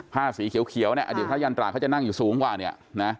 สีเขียวเนี่ยอดีตพระยันตราเขาจะนั่งอยู่สูงกว่าเนี่ยนะ